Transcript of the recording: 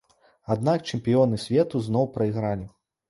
Аднак чэмпіёны свету зноў прайгралі!